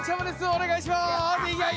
お願いします！